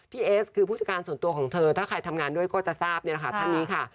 พี่เอสคือผู้จัดการส่วนตัวของเธอถ้าใครทำงานด้วยก็จะทราบเนี่ยนะคะ